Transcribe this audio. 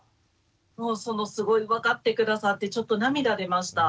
もうすごい分かって下さってちょっと涙出ました。